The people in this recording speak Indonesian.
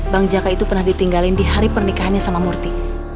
bang jaka itu pernah ditinggalin di hari pernikahannya sama murti